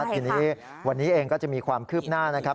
ทีนี้วันนี้เองก็จะมีความคืบหน้านะครับ